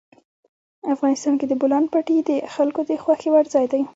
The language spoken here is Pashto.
افغانستان کې د بولان پټي د خلکو د خوښې وړ ځای دی.